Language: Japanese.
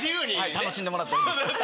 楽しんでもらったらいいですね。